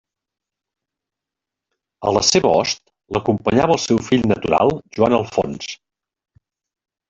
A la seva host l'acompanyava el seu fill natural Joan Alfons.